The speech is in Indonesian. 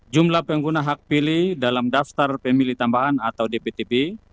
jumlah pengguna hak pilih dalam daftar pemilih tambahan atau dptb